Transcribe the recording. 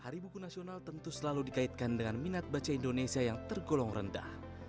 hari buku nasional tentu selalu dikaitkan dengan minat baca indonesia yang tergolong rendah